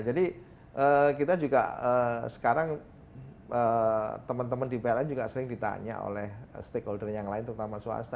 jadi kita juga sekarang teman teman di pln juga sering ditanya oleh stakeholder yang lain terutama swasta